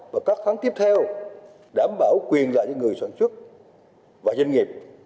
và các tháng tiếp theo đảm bảo quyền lợi cho người sản xuất và doanh nghiệp